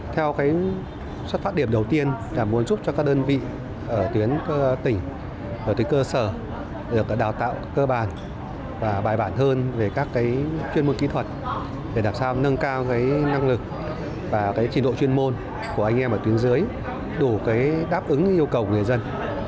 theo xuất phát điểm đầu tiên là muốn giúp cho các đơn vị ở tuyến tỉnh ở tuyến cơ sở được đào tạo cơ bản và bài bản hơn về các chuyên môn kỹ thuật để làm sao nâng cao năng lực và trình độ chuyên môn của anh em ở tuyến dưới đủ đáp ứng yêu cầu người dân